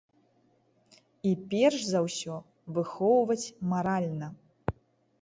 І перш за ўсё выхоўваць маральна.